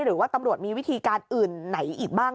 หรือว่าตำรวจมีวิธีการอื่นไหนอีกบ้าง